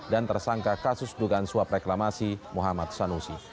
dan tersangka kasus dugaan suap reklamasi muhammad sanusi